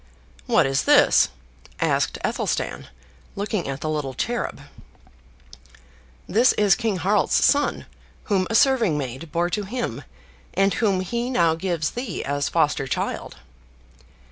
"What is this?" asked Athelstan, looking at the little cherub. "This is King Harald's son, whom a serving maid bore to him, and whom he now gives thee as foster child!"